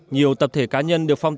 nhiều tập thể cá nhân được phát triển